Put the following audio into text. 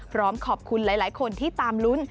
พร้อมขอบคุณหลายคนที่ตามลุ้น